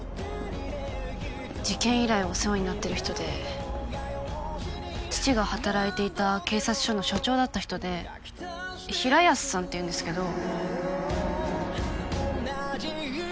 事件以来お世話になってる人で父が働いていた警察署の署長だった人で平安さんって言うんですけど。